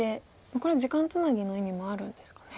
これは時間つなぎの意味もあるんですかね。